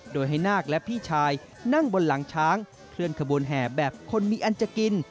โดยให้นาคและพี่ชายนั่งบนหลังช้างเคลื่อนขบวนแห่แบบคนมีอันจะกิน